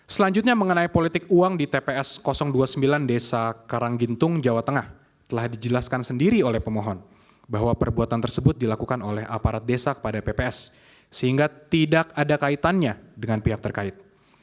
selanjutnya mengenai politik uang di tps dua puluh sembilan desa karanggintung jawa tengah telah dijelaskan sendiri oleh pemohon bahwa perbuatan tersebut dilakukan oleh aparat desa kepada pps sehingga tidak ada kaitannya dengan pihak terkait